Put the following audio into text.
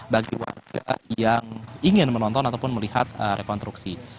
bagi warga yang ingin menonton ataupun melihat rekonstruksi